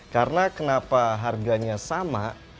karena kenapa harganya sama